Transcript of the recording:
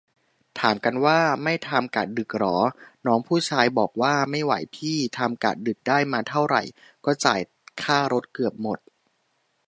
ถามกันว่า ไม่ทำกะดึกเหรอ น้องผู้ชายบอกว่า ไม่ไหวพี่ ทำกะดึกได้มาเท่าไหร่ก็จ่ายค่ารถเกือบหมด